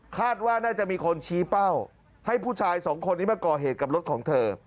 คาดว่าน่าจะมีคนชี้เป้าให้ผู้ชายสองคนนี้มาก่อเหตุกับรถของเธอ